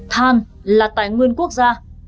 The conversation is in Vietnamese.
than là tài nguyên quốc gia